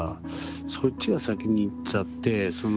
そっちが先にいっちゃってその。